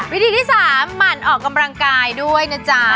วิธีที่๓หมั่นออกกำลังกายด้วยนะจ๊ะ